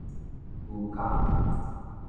牛公